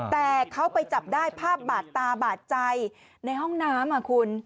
แต่เขาไปจับได้ภาพบาดตาบาดใจในห้องน้ำคุณ